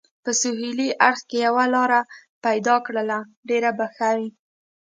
په سهېلي اړخ کې یوه لار پیدا کړل، ډېر به ښه وي.